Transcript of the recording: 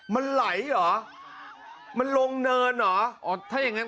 มันไหลเหรอมันลงเนินเหรออ๋อถ้าอย่างงั้น